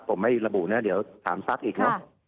ผมไม่ระบุนะเดี๋ยวถามทรัพย์อีกเนอะ